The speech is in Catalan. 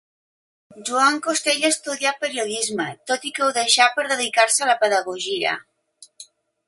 Joan Costell estudià periodisme, tot i que ho deixà per dedicar-se a la pedagogia.